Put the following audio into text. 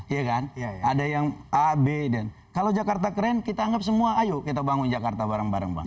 iya kan ada yang a b dan kalau jakarta keren kita anggap semua ayo kita bangun jakarta bareng bareng bang